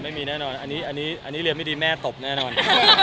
อันนี้เรียนไม่ดีแม่ตบแน่นอน